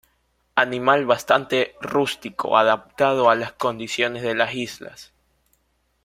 Animal bastante rústico, adaptado a las condiciones de las islas.